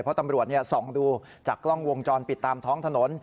เพราะตำรวจส่องดูจากกล้องวงจรปิดตามท้องถนน